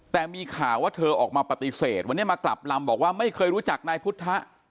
แต่มีข่าวว่าเธอออกมาปฏิเสธวันนี้มากลับลำบอกว่าไม่เคยรู้จักนายพุทธ